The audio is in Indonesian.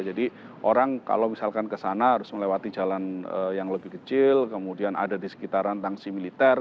jadi orang kalau misalkan kesana harus melewati jalan yang lebih kecil kemudian ada di sekitaran tangsi militer